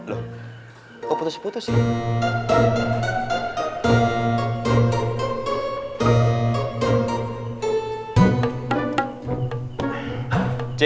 oh putus putus ya